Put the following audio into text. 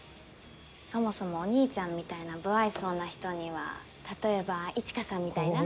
そもそもお兄ちゃんみたいな無愛想な人には例えば一華さんみたいな。